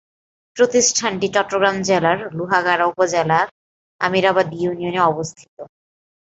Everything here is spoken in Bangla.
প্রতিষ্ঠানটি চট্টগ্রাম জেলার লোহাগাড়া উপজেলার আমিরাবাদ ইউনিয়নে অবস্থিত।